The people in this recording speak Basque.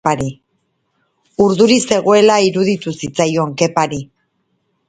Urduri zegoela iruditu zitzaion Kepari.